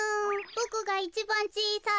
ボクがいちばんちいさい。